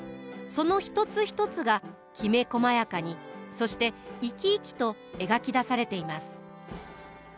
その一つ一つがきめこまやかにそして生き生きと描き出されています。